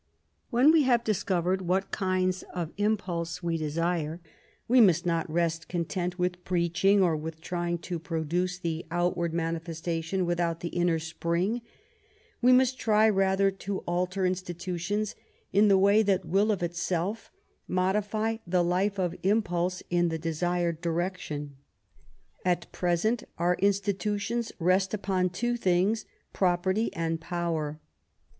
When we have discovered what kinds of impulse we desire, we must not rest content with preaching, or with trying to produce the outward manifestation without the inner spring; we must try rather to alter institutions in the way that will, of itself, modify the life of impulse in the desired direction. At present our institutions rest upon two things: property and power.